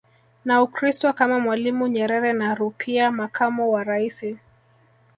na Ukristo kama Mwalimu Nyerere na Rupia makamo wa raisi